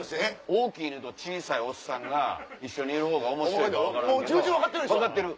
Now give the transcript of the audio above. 大きい犬と小さいおっさんが一緒にいるほうが面白いのは分かる。